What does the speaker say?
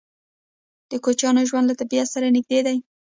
د کوچیانو ژوند له طبیعت سره نږدې دی.